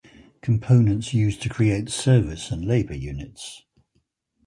Components used to create service and labor units.